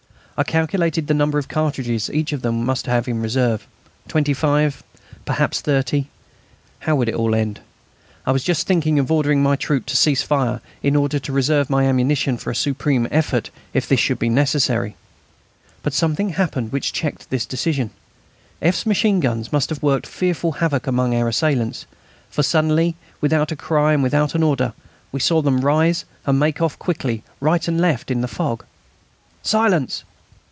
I calculated the number of cartridges each of them must have in reserve; twenty five, perhaps thirty. How would it all end? I was just thinking of ordering my troop to cease firing, in order to reserve my ammunition for a supreme effort, if this should be necessary. But something happened which checked this decision. F.'s machine guns must have worked fearful havoc among our assailants, for suddenly, without a cry and without an order, we saw them rise and make off quickly right and left in the fog. "Silence!"